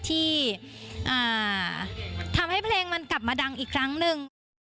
ที่ทำให้เพลงมันกลับมาดังอีกครั้งหนึ่ง